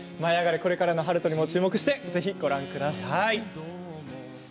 これからの悠人にも注目してご覧ください。